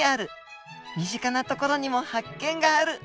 身近な所にも発見がある。